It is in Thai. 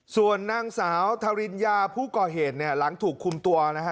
ส่วนนางสาวทาริญญาผู้ก่อเหตุเนี่ยหลังถูกคุมตัวนะฮะ